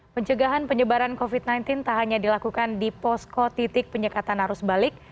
pencegahan penyebaran covid sembilan belas tak hanya dilakukan di posko titik penyekatan arus balik